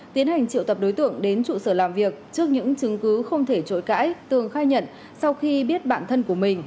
tiến hành triệu tập đối tượng đến trụ sở làm việc trước những chứng cứ không thể chội cãi tường khai nhận sau khi biết bạn thân của mình